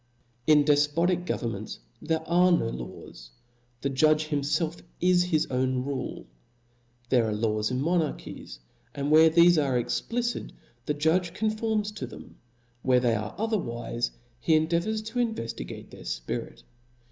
In dej^otic governments there are no laws \ the judge himfelf is his own rule. There are laws in monarchies; and where thefe are explicit, the judge conforms to them ; where they are otherwife, he endeavours to inycftigate their fpirit.